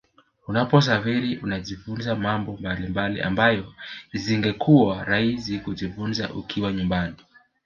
Unaposafiri unajifunza mambo mbalimbali ambayo isingekuwa rahisi kujifunza ukiwa nyumbani